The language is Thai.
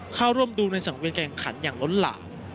เข้าร่วมดูในสังเวียนแข่งขันอย่างล้นหลาม